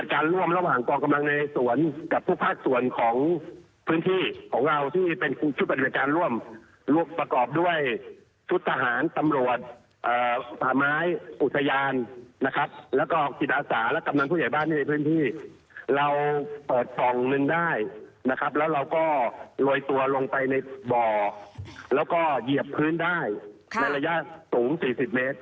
หยุดลงไปแบบนี้